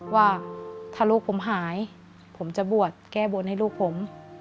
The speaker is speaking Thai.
ว่าถ้าลูกผมหายผมจะบวชแก้บนให้ลูกผม